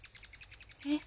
えっ？